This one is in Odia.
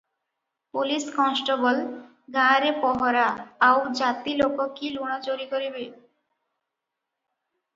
ପୋଲିଶ କନେଷ୍ଟବଳ ଗାଁରେ ପହରା- ଆଉ ଜାତି ଲୋକ କି ଲୁଣ ଚୋରି କରିବେ?